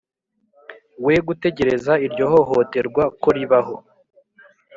we gutegereza iryo hohoterwa ko ribaho.